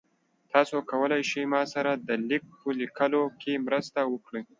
تاسو کولی شئ ما سره د لیک په لیکلو کې مرسته وکړئ؟